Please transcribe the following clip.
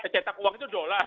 cetak uang itu dolar